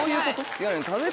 違う。